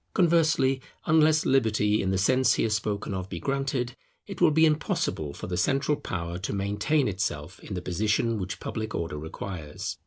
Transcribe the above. Conversely, unless Liberty in the sense here spoken of be granted, it will be impossible for the central power to maintain itself in the position which public order requires.